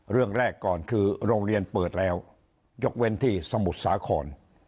เรื่องแรกก่อนคือโรงเรียนเปิดแล้วยกเว้นที่สมุทรสาคร